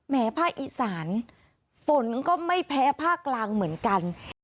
ภาคอีสานฝนก็ไม่แพ้ภาคกลางเหมือนกัน